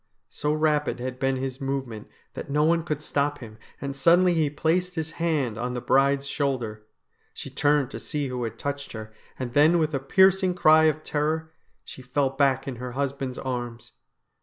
So rapid had been his movement that no one could stop him, and suddenly he placed his hand on the bride's shoulder. She turned to see who had touched her, and then with a piercing cry of terror she fell back in her husband's arms.